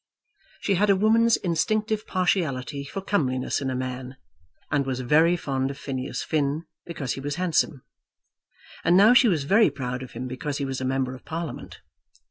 She had a woman's instinctive partiality for comeliness in a man, and was very fond of Phineas Finn because he was handsome. And now she was very proud of him because he was a member of Parliament.